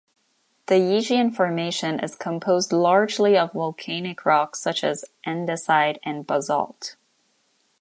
The Yixian Formation is composed largely of volcanic rocks such as andesite and basalt.